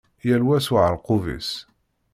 Yal wa s uɛerqub-is.